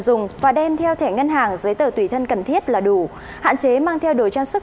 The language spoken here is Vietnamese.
dùng và đem theo thẻ ngân hàng giấy tờ tùy thân cần thiết là đủ hạn chế mang theo đồ trang sức